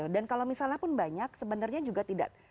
dan kalau misalnya pun banyak sebenarnya juga tidak